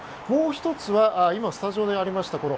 もう１つは今、スタジオでありました